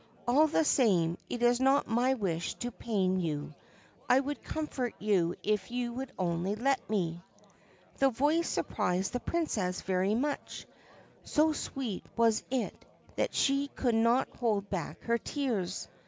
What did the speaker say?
All the same, it is not my wish to pain you ; I would comfort you if you would only let me I ' The voice surprised the Princess very much, so sweet was it that she could not hold back her tears.